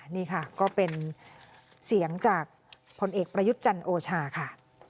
นี่ค่ะก็เป็นเสียงจากผลเอกประยุทธ์จันทร์โอชาค่ะ